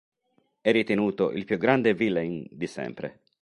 È ritenuto il più grande villain di sempre.